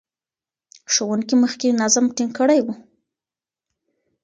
ښوونکي مخکې نظم ټینګ کړی و.